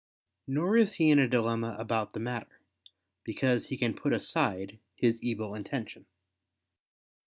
Nor is he in a dilemma about the matter: because he can put aside his evil intention.